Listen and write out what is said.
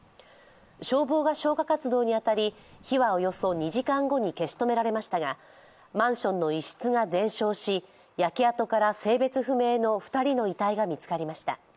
消防が消火活動に当たり火はおよそ２時間後に消し止められましたが、マンションの一室が全焼し焼け跡から性別不明の２人の遺体が見つかりました。